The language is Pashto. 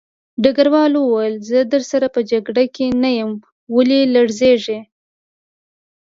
ډګروال وویل زه درسره په جګړه کې نه یم ولې لړزېږې